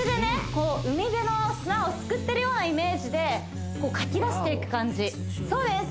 こう海辺の砂をすくってるようなイメージでかき出していく感じそうです